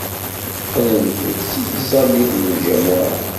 Qqlent-d seg tẓallit n ljamuɛa.